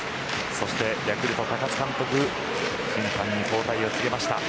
そして、ヤクルトの高津監督審判に交代を告げました。